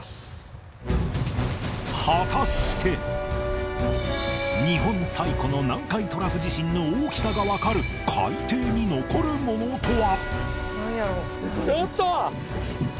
果たして日本最古の南海トラフ地震の大きさがわかる海底に残るものとは？